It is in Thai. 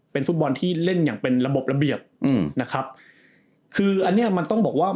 เป็นฟุตบอลที่เล่นอย่างเป็นระบบระเบียบอืมนะครับคืออันเนี้ยมันต้องบอกว่า